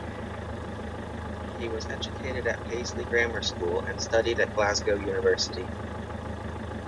He was educated at Paisley Grammar School and studied at Glasgow University.